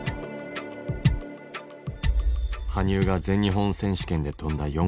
羽生が全日本選手権で跳んだ